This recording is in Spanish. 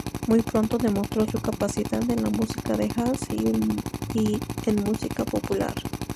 Muy pronto demostró su capacidad en la música de jazz y en música popular.